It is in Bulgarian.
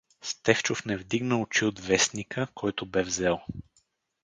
Стефчов не вдигна очи от вестника, който бе взел.